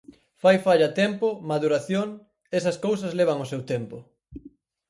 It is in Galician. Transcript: Fai falla tempo, maduración, esas cousas levan o seu tempo.